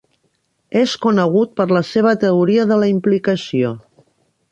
És conegut per la seva teoria de la implicació.